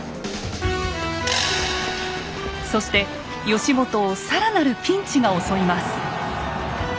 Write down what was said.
そして義元を更なるピンチが襲います。